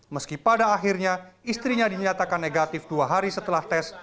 meski pada akhirnya istrinya dinyatakan negatif dua hari setelah tes